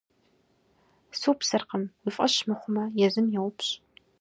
- Супсыркъым. Уи фӏэщ мыхъумэ, езым еупщӏ.